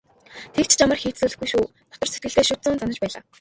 "Тэгж ч амар хийцлүүлэхгүй шүү" дотор сэтгэлдээ шүд зуун занаж байлаа.